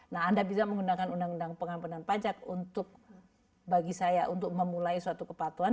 nah anda bisa menggunakan undang undang pengampunan pajak untuk bagi saya untuk memulai suatu kepatuan